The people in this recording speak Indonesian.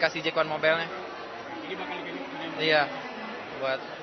jadi saya ambil rekening di vault bank dki